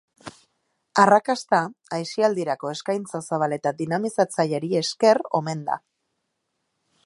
Arrakasta aisialdirako eskaintza zabal eta dinamizatzaileari esker omen da.